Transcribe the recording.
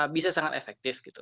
bisa sangat efektif gitu